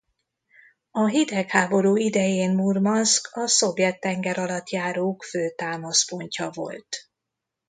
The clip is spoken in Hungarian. A hidegháború idején Murmanszk a szovjet tengeralattjárók fő támaszpontja volt.